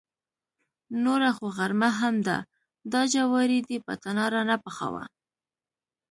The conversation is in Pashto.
نوره خو غرمه هم ده، دا جواری دې په تناره نه پخاوه.